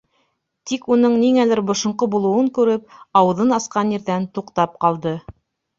Тик, уның ниңәлер бошонҡо булыуын күреп, ауыҙын асҡан ерҙән туҡтап ҡалды.